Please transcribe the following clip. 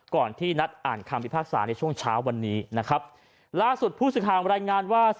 ก่อนที่นัดอ่านคำพิพากษาในช่วงเช้าวันนี้นะครับล่าสุดผู้สื่อข่าวรายงานว่า